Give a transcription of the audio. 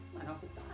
mana aku tahu